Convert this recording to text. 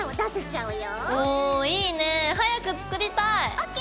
おいいねぇ早く作りたい！ＯＫ。